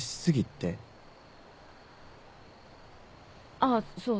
あっそう。